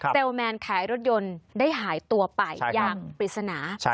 แมนขายรถยนต์ได้หายตัวไปอย่างปริศนา